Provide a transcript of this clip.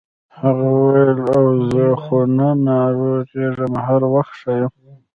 هغه وویل اوه زه خو نه ناروغیږم هر وخت ښه یم.